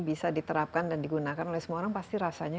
bisa diterapkan dan digunakan oleh semua orang pasti rasanya